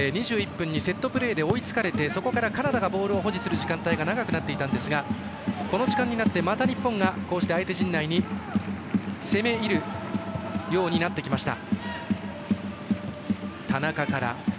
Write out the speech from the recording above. ２１分にセットプレーで追いつかれてそこからカナダがボールを保持する時間が長くなっていましたがこの時間になってまた日本が相手陣内に攻め入るようになってきました。